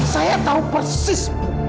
saya tahu persis